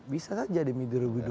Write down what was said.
bisa saja demi dua ribu dua puluh empat